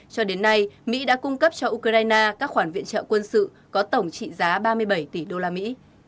cho đến nay mỹ đã cung cấp cho ukraine các khoản viện trợ quân sự có tổng trị giá ba mươi bảy tỷ đô la mỹ